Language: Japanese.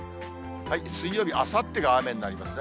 水曜日、あさってが雨になりますね。